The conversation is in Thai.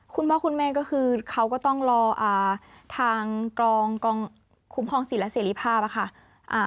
คุณพ่อคุณแม่ก็คือเขาก็ต้องรอทางกองคุ้มครองสิทธิและเสรีภาพค่ะ